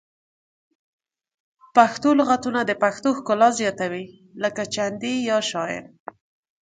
پښتو لغتونه د پښتو ښکلا زیاتوي لکه چندي یا شاعر